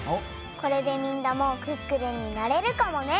これでみんなもクックルンになれるかもね！